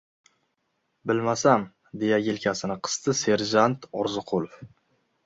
— Bilmasam...— deya yelkasini qisdi serjant Orziqulov.